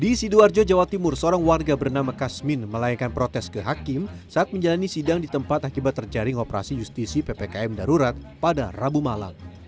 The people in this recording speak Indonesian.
di sidoarjo jawa timur seorang warga bernama kasmin melayangkan protes ke hakim saat menjalani sidang di tempat akibat terjaring operasi justisi ppkm darurat pada rabu malam